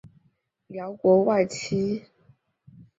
辽国外戚。